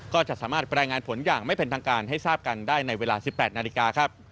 ก็จะสามารถรายงานผลอย่างไม่เป็นทางการให้ทราบกันได้ในเวลา๑๘นาฬิกาครับ